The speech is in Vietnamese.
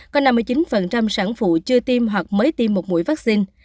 có năm mươi chín sản phụ chưa tiêm hoặc mới tiêm một mũi vaccine